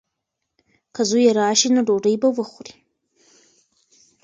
که زوی یې راشي نو ډوډۍ به وخوري.